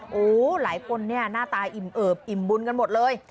โอ้โหหลายคนเนี่ยหน้าตาอิ่มเอิบอิ่มบุญกันหมดเลย